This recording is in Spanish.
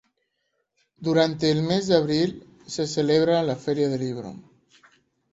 Durante el mes de abril se celebra la Feria del Libro.